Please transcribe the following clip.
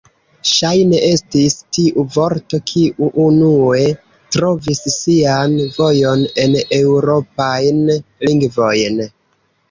Ŝajne estis tiu vorto, kiu unue trovis sian vojon en eŭropajn lingvojn.